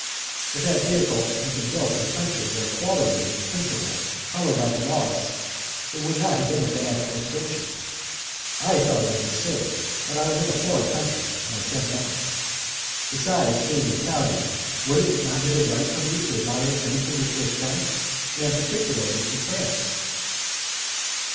If that vehicle had been built in a country where equality was a principle hallowed by the laws, it would not have been a bad illustration. I thought it was absurd, but I was in a foreign country, and I said nothing. Besides, being an Italian, would it have been right for me not to admire everything which was French, and particularly in France?